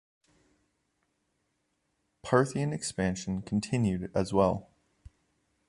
Parthian expansion continued as well.